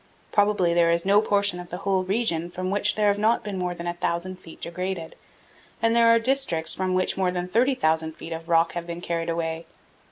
Probably there is no portion of the whole region from which there have not been more than a thousand feet degraded, and there are districts from which more than 30,000 feet of rock have been carried away.